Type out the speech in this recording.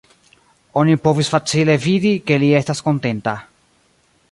Oni povis facile vidi, ke li estas kontenta.